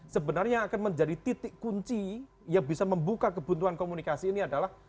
sebenarnya yang akan menjadi titik kunci yang bisa membuka kebutuhan komunikasi ini adalah